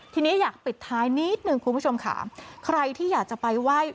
ทีนี้อยากปิดท้ายนิดหนึ่งคุณผู้ชมค่ะใครที่อยากจะไปไหว้